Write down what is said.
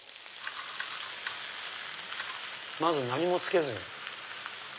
まず何もつけずに。